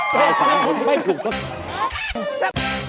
ตาสาหกไม่ถูกทรง